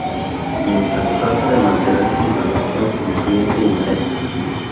Mientras trata de mantener su relación como cliente y maestro.